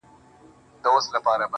ځم ورته را وړم ستوري په لپه كي_